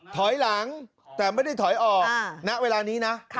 ถอยหลังแต่ไม่ได้ถอยออกณเวลานี้นะ